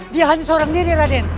dia hanya seorang diri raden